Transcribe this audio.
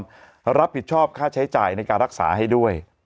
รับผิดชอบค่าใช้จ่ายในการรักษาให้ด้วย